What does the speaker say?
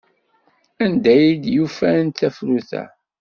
Anda ay ufant tafrut-a?